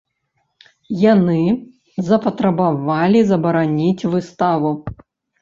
Яны запатрабавалі забараніць выставу.